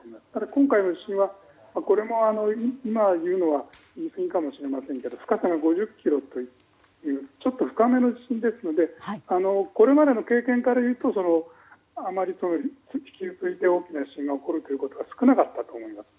今回の地震は今、言うのは言い過ぎかもしれませんけど深さも５０ｋｍというちょっと深めの地震ですのでこれまでの経験からいうとあまり引き続いて大きな地震が起こるということは少なかったと思います。